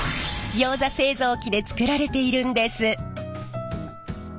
ギョーザ製造機で作られているんです！